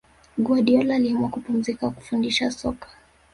guardiola aliamua kupumzika kufundisha soka